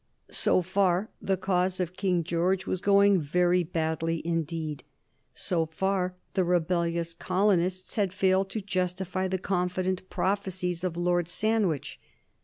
So far the cause of King George was going very badly indeed; so far the rebellious colonists had failed to justify the confident prophecies of Lord Sandwich.